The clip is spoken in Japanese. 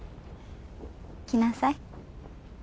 来なさい。